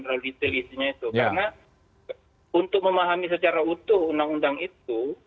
karena untuk memahami secara utuh undang undang itu